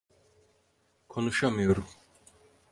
Konuşamıyorum.